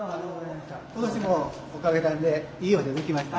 今年もおかげさんでいいお茶できました。